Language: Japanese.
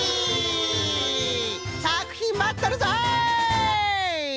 さくひんまっとるぞい！